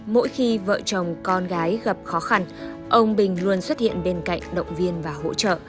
mỗi khi vợ chồng con gái gặp khó khăn ông bình luôn xuất hiện bên cạnh động viên và hỗ trợ